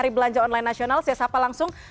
nah kita langsung ke tempat nasional si sapa langsung